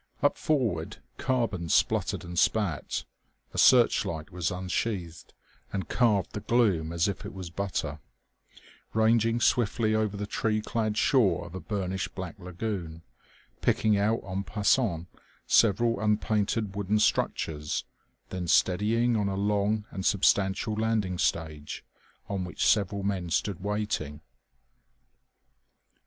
Up forward carbons sputtered and spat; a searchlight was unsheathed and carved the gloom as if it was butter, ranging swiftly over the tree clad shore of a burnished black lagoon, picking out en passant several unpainted wooden structures, then steadying on a long and substantial landing stage, on which several men stood waiting.